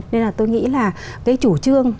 nên là tôi nghĩ là cái chủ trương